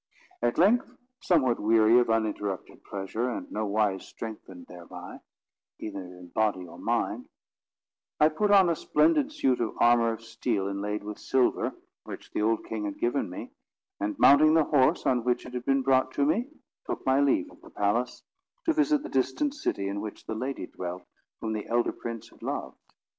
At length, somewhat weary of uninterrupted pleasure, and nowise strengthened thereby, either in body or mind, I put on a splendid suit of armour of steel inlaid with silver, which the old king had given me, and, mounting the horse on which it had been brought to me, took my leave of the palace, to visit the distant city in which the lady dwelt, whom the elder prince had loved.